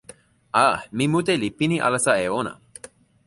a, mi mute li pini alasa e ona.